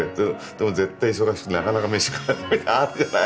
でも絶対忙しくてなかなか飯食えないみたいなのあるじゃない。